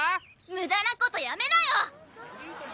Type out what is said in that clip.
無駄なことやめなよ！